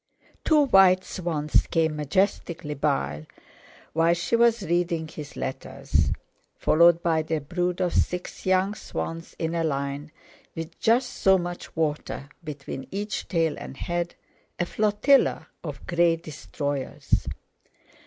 Two white swans came majestically by, while she was reading his letters, followed by their brood of six young swans in a line, with just so much water between each tail and head, a flotilla of grey destroyers.